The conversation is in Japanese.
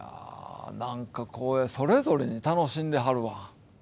なんか、それぞれに楽しんではるわ。